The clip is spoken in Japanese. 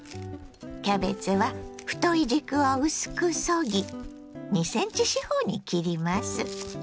キャベツは太い軸を薄くそぎ２ｃｍ四方に切ります。